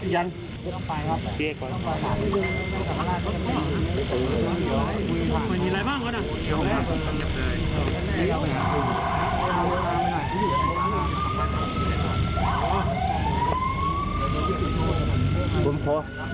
บุญพอ